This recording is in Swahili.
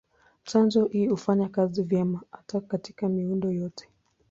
Chanjo hii hufanya kazi vyema hata katika miundo yote.